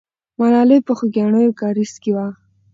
ملالۍ په خوګیاڼیو کارېز کې وه.